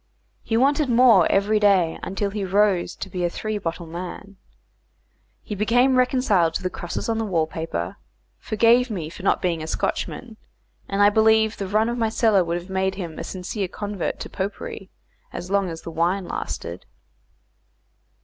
He wanted more every day, until he rose to be a three bottle man. He became reconciled to the crosses on the wall paper, forgave me for not being a Scotchman, and I believe the run of my cellar would have made him a sincere convert to popery as long as the wine lasted.